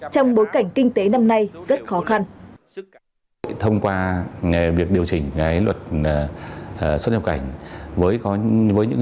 trong bối cảnh kinh tế năm nay rất khó khăn